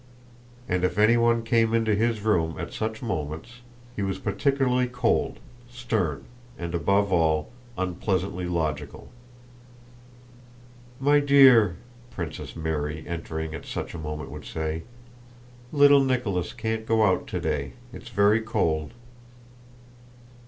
And if anyone came into his room at such moments he was particularly cold, stern, and above all unpleasantly logical. "My dear," Princess Mary entering at such a moment would say, "little Nicholas can't go out today, it's very cold."